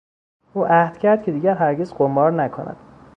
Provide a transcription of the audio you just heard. او عهدکرد که دیگر هرگز قمار نکند.